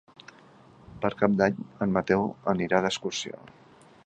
Per Cap d'Any en Mateu anirà d'excursió.